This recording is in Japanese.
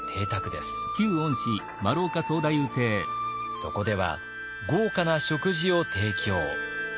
そこでは豪華な食事を提供。